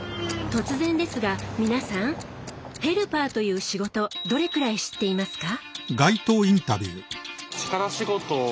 突然ですが皆さん「ヘルパー」という仕事どれくらい知っていますか？